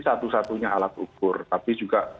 satu satunya alat ukur tapi juga